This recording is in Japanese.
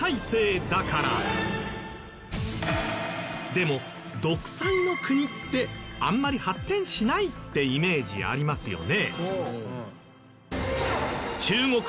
でも独裁の国ってあんまり発展しないってイメージありますよね。